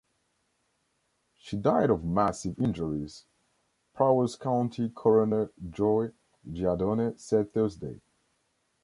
She died of massive injuries, Prowers County Coroner Joe Giadone said Thursday.